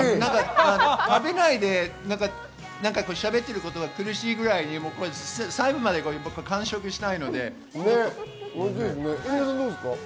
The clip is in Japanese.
食べないでしゃべっていることが苦しいぐらい完食したいです。